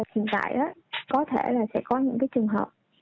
hiện tại có thể là sẽ có những cái trường hợp